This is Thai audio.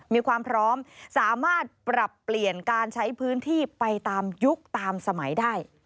มีความพร้อมสามารถปรับเปลี่ยนการใช้พื้นที่ไปตามยุคตามสมัยได้